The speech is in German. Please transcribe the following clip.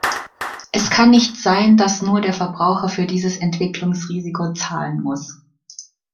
Es kann nicht sein, dass nur der Verbraucher für dieses Entwicklungsrisiko zahlen muss.